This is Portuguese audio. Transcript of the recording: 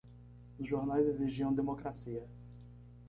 Os jornais exigiam democracia.